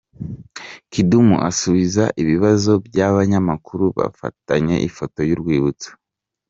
Kidum asubiza ibibazo by'abanyamakuruBafatanye ifoto y'urwibutso.